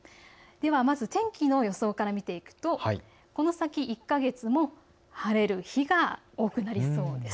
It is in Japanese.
天気の予想から見ていくとこの先１か月も晴れる日が多くなりそうです。